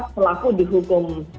pelaku di hukum